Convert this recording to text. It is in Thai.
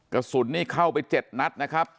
กระสุนนี่เข้าไป๗นัดนะครับ